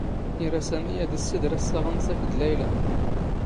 ⵉⵔⴰ ⵙⴰⵎⵉ ⴰⴷ ⵉⵙⵙⵉⴷⵔ ⴰⵙⵙⴰⵖ ⵏⵏⵙ ⴰⴽⴷ ⵍⴰⵢⴰⵍⴰ.